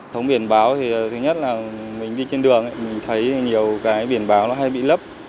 thống biển báo thì thứ nhất là mình đi trên đường mình thấy nhiều cái biển báo nó hay bị lấp